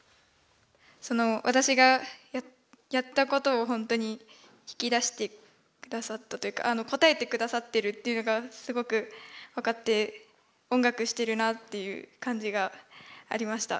私がやったことを本当に引き出して下さったというか応えて下さってるっていうのがすごく分かって音楽してるなっていう感じがありました。